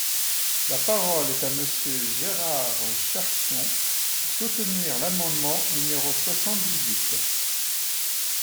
La parole est à Monsieur Gérard Cherpion, pour soutenir l’amendement numéro soixante-dix-huit.